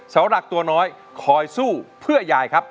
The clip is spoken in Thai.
สาวหลักตัวน้อยคอยสู้เพื่อยายครับ